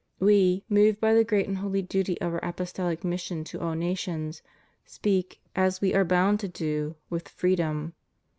We, moved by the great and holy duty of Our apostolic mission to all nations, speak, as We are bound to do, with freedom.